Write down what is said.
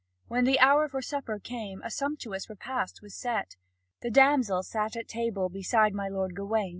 When the hour for supper came, a sumptuous repast was set. The damsel sat at table beside my lord Gawain.